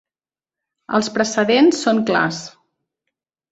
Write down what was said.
Els precedents són clars.